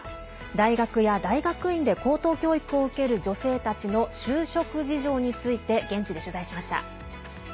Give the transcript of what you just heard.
大学や大学院で高等教育を受ける女性たちの就職事情について現地で取材しました。